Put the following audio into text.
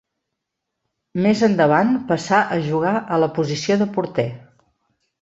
Més endavant passà a jugar a la posició de porter.